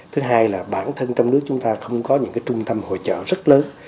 thứ hai là bản thân trong nước chúng ta không có những trung tâm hội trợ rất lớn